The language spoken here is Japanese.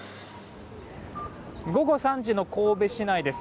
午後３時の神戸市内です。